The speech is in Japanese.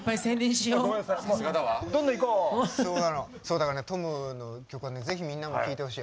だからトムの曲はぜひみんなも聴いてほしい。